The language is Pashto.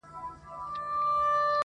بولي یې د خدای آفت زموږ د بد عمل سزا-